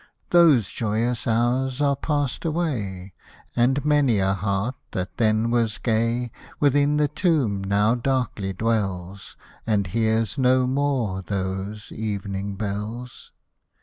Those joyous hours are passed away ; And many a heart, that then was gay. Within the tomb now darkly dwells. And hears no more those evening bells.